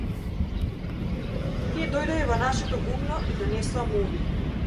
Тие дојдоа и во нашето гумно и донесоа муви.